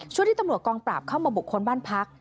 ที่ตำรวจกองปราบเข้ามาบุคคลบ้านพัก